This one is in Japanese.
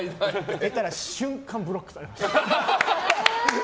言ったら瞬間ブロックされました。